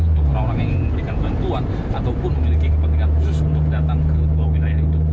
untuk orang orang yang ingin memberikan bantuan ataupun memiliki kepentingan khusus untuk datang ke dua wilayah itu